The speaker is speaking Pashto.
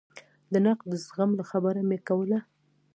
د نقد د زغم خبره مې کوله.